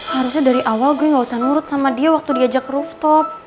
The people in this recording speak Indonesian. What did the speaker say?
harusnya dari awal gue gak usah nurut sama dia waktu diajak rooftop